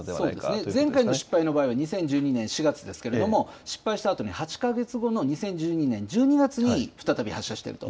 前回の失敗の場合は２０１２年４月ですけれども、失敗したあとに８か月後の２０１２年１２月に再び発射していると。